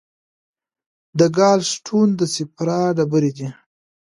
د ګال سټون د صفرا ډبرې دي.